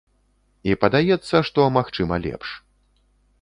І падаецца, што магчыма лепш.